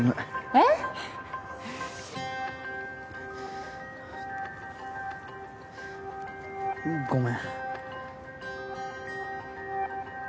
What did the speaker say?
えっ？ごめん。